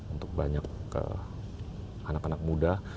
untuk banyak anak anak muda